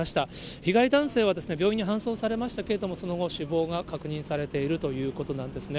被害男性は病院に搬送されましたけれども、その後、死亡が確認されているということなんですね。